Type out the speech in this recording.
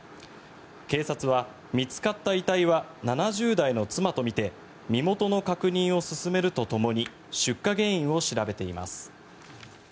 警察は、見つかった遺体は７０代の妻とみて身元の確認を進めるとともに出火原因を調べています。